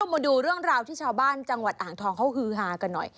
มาดูเรื่องราวที่ชาวบ้านจังหวัดอ่างทองเขาฮือฮากันหน่อย